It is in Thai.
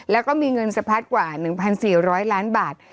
แล้วก็มีเงินสะพัดกว่า๑๔๐๐ล้านบาท